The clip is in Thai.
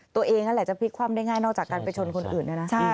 ตัวเองอาจจะพลิกความได้ง่ายนอกจากการไปชนคนอื่น